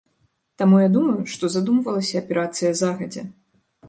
Таму я думаю, што задумвалася аперацыя загадзя.